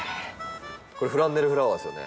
これフランネルフラワーですよね？